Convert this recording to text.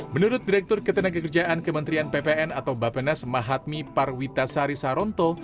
menurut direktur ketenaga kerjaan kementerian ppn atau bapenas mahatmi parwita sari saronto